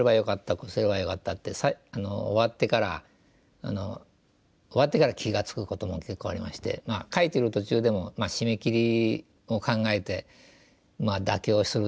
こうすればよかったって終わってから終わってから気が付くことも結構ありまして描いてる途中でも締め切りを考えて妥協するということもありますし。